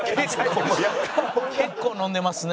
結構飲んでますね。